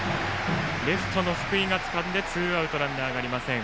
レフトの福井がつかんでツーアウト、ランナーありません。